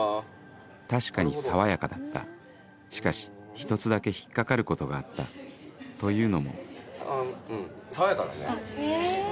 確かに爽やかだったしかし１つだけ引っ掛かることがあったというのもあぁうん爽やかだね。ですよね。